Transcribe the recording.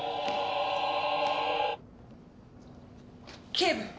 警部！